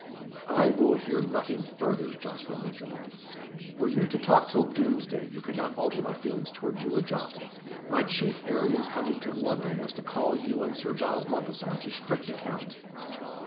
"I will hear nothing further," Jocelyn rejoined. "Were you to talk till Doomsday, you could not alter my feelings towards you a jot. My chief errand in coming to London was to call you and Sir Giles Mompesson to strict account."